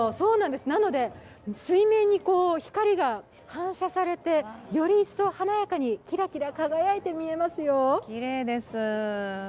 なので水面に光が反射されてより一層華やかに、キラキラ輝いて見えますよ。